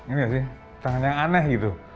ini kan sih tantangan yang aneh gitu